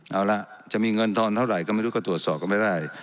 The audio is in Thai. เอาละจะมีเงินทอนเท่าไหร่ก็ไม่รู้ก็ตรวจสอบก็ไม่ได้